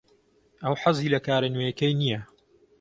ئەو حەزی لە کارە نوێیەکەی نییە.